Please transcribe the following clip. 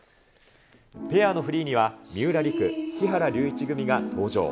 ペアのフリーには、三浦璃来・木原龍一組が登場。